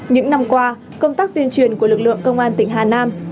những năm qua công tác tuyên truyền của lực lượng công an tỉnh hà nam